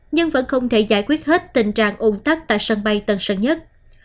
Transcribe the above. nhưng vẫn không thể giải quyết hết tình trạng ôn tắc tại sân bay tân sơn nhất